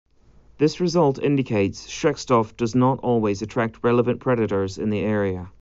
This result indicates schreckstoff does not always attract relevant predators in the area.